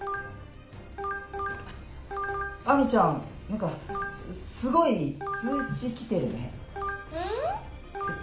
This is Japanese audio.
アミちゃんすごい通知、来てるね。